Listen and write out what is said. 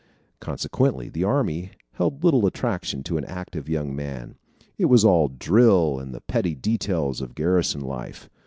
Consequently, the army held little attraction to an active young man. It was all drill and the petty details of garrison life.